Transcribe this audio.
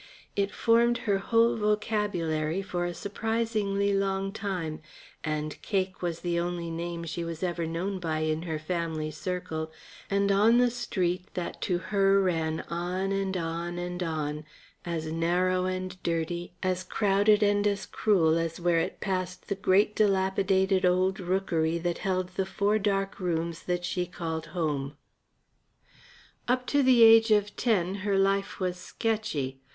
It formed her whole vocabulary for a surprisingly long time, and Cake was the only name she was ever known by in her family circle and on the street that to her ran on and on and on as narrow and dirty, as crowded and as cruel as where it passed the great dilapidated old rookery that held the four dark rooms that she called home. Up to the age of ten her life was sketchy.